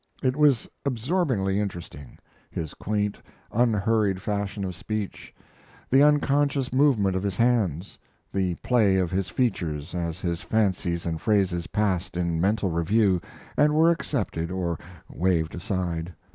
It was absorbingly interesting; his quaint, unhurried fashion of speech, the unconscious movement of his hands, the play of his features as his fancies and phrases passed in mental review and were accepted or waved aside.